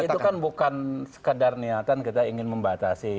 komitmen itu kan bukan sekadar niatan kita ingin membatasi